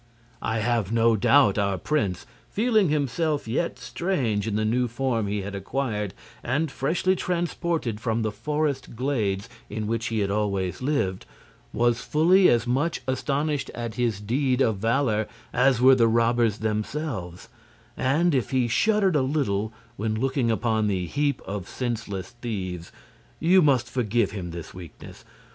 I have no doubt our prince, feeling himself yet strange in the new form he had acquired, and freshly transported from the forest glades in which he had always lived, was fully as much astonished at his deed of valor as were the robbers themselves; and if he shuddered a little when looking upon the heap of senseless thieves you must forgive him this weakness.